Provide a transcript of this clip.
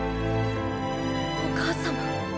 お母様。